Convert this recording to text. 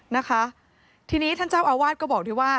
นะคะทีนี้ท่านเจ้าอาวาสก็บอกด้วยว่า